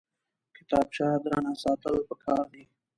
کتابچه درنه ساتل پکار دي